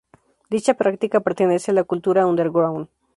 Dicha práctica pertenece a la cultura underground.